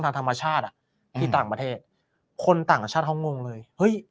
ธรรมชาติอ่ะที่ต่างประเทศคนต่างชาติเขางงเลยเฮ้ย